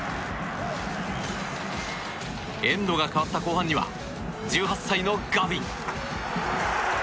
エンドが変わった後半には１８歳のガビ。